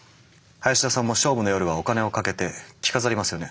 林田さんも勝負の夜はお金をかけて着飾りますよね？